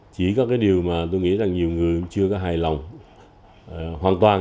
chỉ có cái điều mà tôi nghĩ là nhiều người cũng chưa có hài lòng hoàn toàn